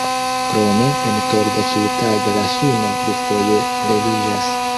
Krome en Torda ĉiutage la suno dufoje leviĝas.